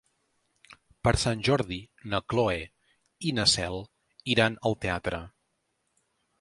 Per Sant Jordi na Cloè i na Cel iran al teatre.